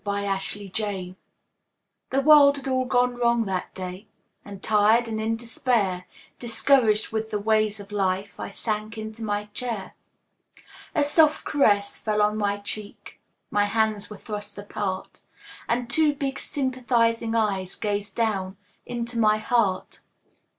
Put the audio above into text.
MY COMFORTER The world had all gone wrong that day And tired and in despair, Discouraged with the ways of life, I sank into my chair. A soft caress fell on my cheek, My hands were thrust apart. And two big sympathizing eyes Gazed down into my heart.